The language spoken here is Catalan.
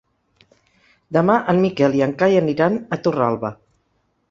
Demà en Miquel i en Cai aniran a Torralba.